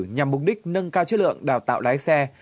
nhằm mục đích nâng cao chất lượng đào tạo lái xe